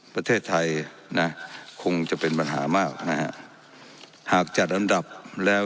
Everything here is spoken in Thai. ประเทศไทยนะคงจะเป็นปัญหามากนะฮะหากจัดอันดับแล้ว